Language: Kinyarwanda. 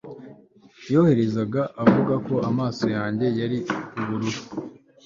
yahoraga avuga ko amaso yanjye yari ubururu